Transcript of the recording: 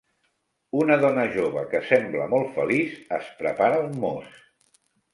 Una dona jove que sembla molt feliç es prepara un mos.